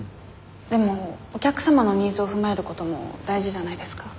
でもお客様のニーズを踏まえることも大事じゃないですか？